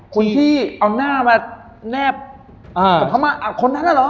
คนที่เอาหน้ามาแนบกับเขามาคนนั้นน่ะเหรอ